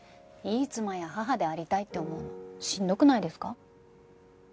いい妻や母でありたいって思うのしんどくないですか？